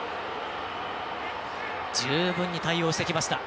十分に対応してきました。